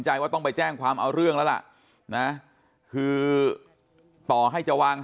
ว่าต้องไปแจ้งความเอาเรื่องแล้วล่ะนะคือต่อให้จะวาง